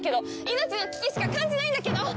命の危機しか感じないんだけど！